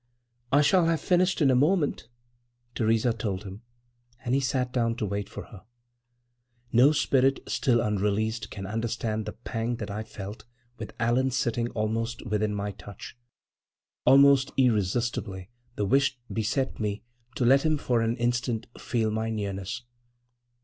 "I shall have finished in a moment," Theresa told him, and he sat down to wait for her. No spirit still unreleased can understand the pang that I felt with Allan sitting almost within my touch. Almost irresistibly the wish beset me to let him for an instant feel my nearness.